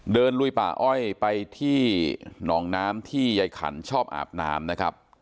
เดินลุยป่าอ้อยไปที่หนองน้ำที่ใยขันชอบอาบน้ำ